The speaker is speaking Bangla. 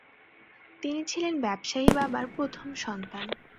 তিনি ছিলেন ব্যবসায়ী বাবার প্রথম সন্তান।